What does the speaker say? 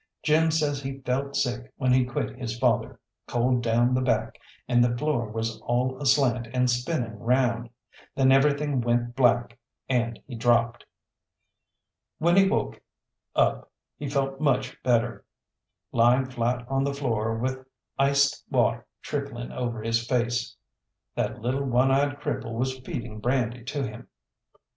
Jim says he felt sick when he quit his father, cold down the back, and the floor was all aslant and spinning round. Then everything went black, and he dropped. When he woke up he felt much better, lying flat on the floor with iced water trickling over his face. That little one eyed cripple was feeding brandy to him.